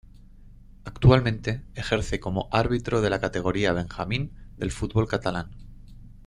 Actualmente, ejerce como árbitro en la categoría Benjamín del fútbol catalán.